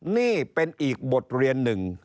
นี่เป็นอีกบทเรียนหนึ่ง